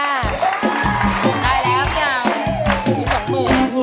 ได้แล้วพี่ยาวมีสองมือ